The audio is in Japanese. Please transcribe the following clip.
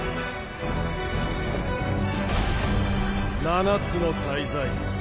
七つの大罪！